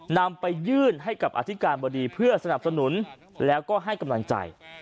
นำไปยื่นให้กับอธิการบดีเพื่อสนับสนุนแล้วก็ให้กำลังใจ